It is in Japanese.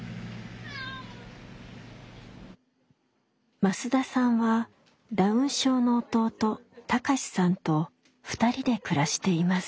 増田さんはダウン症の弟貴志さんと２人で暮らしています。